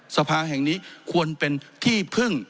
สภาแห่งนี้ควรเป็นที่พึ่ง